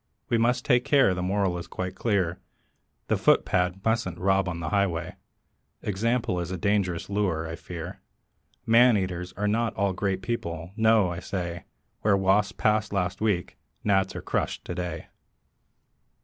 We must take care; the moral is quite clear The footpad mustn't rob on the highway. Example is a dangerous lure, I fear: Men eaters are not all great people; no, I say, Where wasps passed last week gnats are crushed to day.